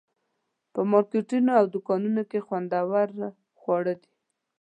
په مارکیټونو او دوکانونو کې خوندور خواړه دي.